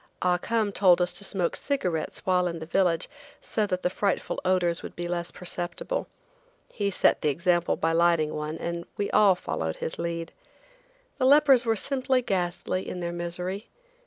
Ah Cum told us to smoke cigarettes while in the village so that the frightful odors would be less perceptible. He set the example by lighting one, and we all followed his lead. The lepers were simply ghastly in their misery.